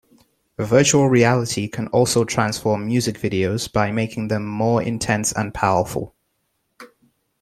Virtual reality can also transform music videos by making them more intense and powerful.